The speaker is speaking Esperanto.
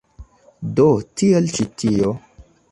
Do tial ĉi tio.